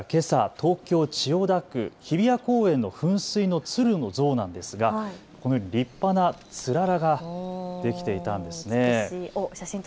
東京千代田区日比谷公園の噴水のツルの像なんですがこのように立派なつららができていたんです。